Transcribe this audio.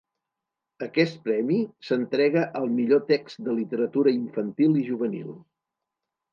Aquest premi s'entrega al millor text de literatura infantil i juvenil.